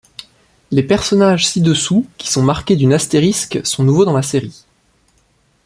Les personnages ci dessous qui son marqué d'une astérisque sont nouveaux dans la série.